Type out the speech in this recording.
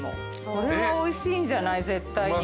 これはおいしいんじゃない絶対。